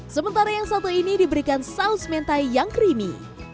sementara yang satu ini diberikan saus mentai yang creamy